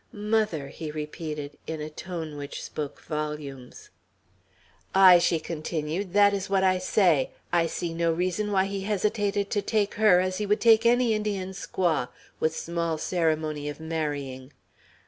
"Mother!" he repeated, in a tone which spoke volumes. "Ay," she continued, "that is what I say. I see no reason why he hesitated to take her, as he would take any Indian squaw, with small ceremony of marrying."